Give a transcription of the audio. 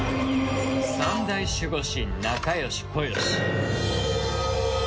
三大守護神仲良しこよし。